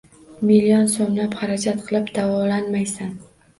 Million so‘mlab xarajat qilib davolanmaysan.